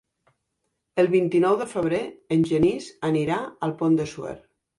El vint-i-nou de febrer en Genís anirà al Pont de Suert.